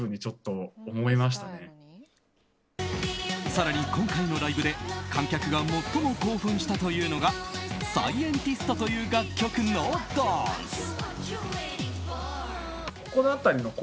更に今回のライブで観客が最も興奮したというのが「ＳＣＩＥＮＴＩＳＴ」という楽曲のダンス。